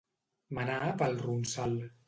Menar pel ronsal.